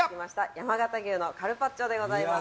山形牛のカルパッチョでございます。